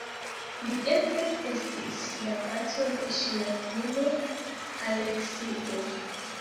Li eble estis la patro de ŝia filo Aleksio.